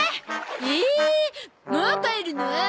ええもう帰るの？